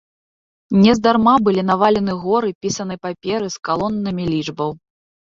Нездарма былі навалены горы пісанай паперы з калонамі лічбаў.